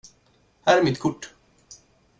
Här är mitt kort.